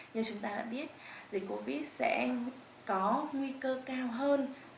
như chúng ta đã biết dịch covid sẽ có nguy cơ cao hơn